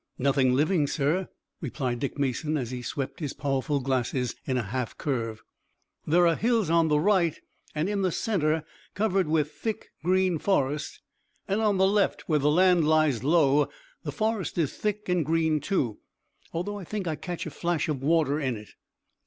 "Nothing living, sir," replied Dick Mason, as he swept his powerful glasses in a half curve. "There are hills on the right and in the center, covered with thick, green forest, and on the left, where the land lies low, the forest is thick and green too, although I think I catch a flash of water in it."